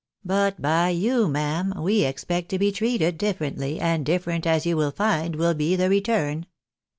But by you, ma'am, we expect to be treated differently, and diffe rent, as you will find, will be the return.